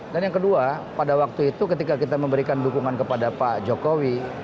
dan yang kedua pada waktu itu ketika kita memberikan dukungan kepada pak jokowi